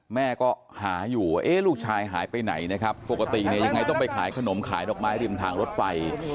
แม่ก็หาอยู่ลูกชายหายไปไหนปกติยังไงต้องไปขนมขายดอกไม้ริมทางรถไฟ